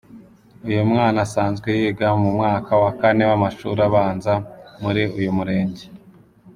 Uyu mwana asanzwe yiga mu mwaka wa kane w’amashuri abanza muri uyu murenge.